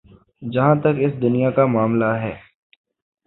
جہاں تک اس دنیا کا معاملہ ہے۔